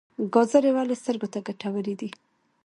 ګازرې ولې سترګو ته ګټورې دي؟